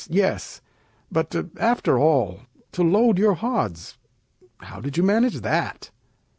yes! but after all, to load your hods, How did you manage that?